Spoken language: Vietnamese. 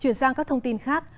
chuyển sang các thông tin khác